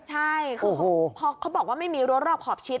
ใช่เขาบอกว่าไม่มีรวดรอบขอบชิด